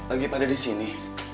agit ada di sini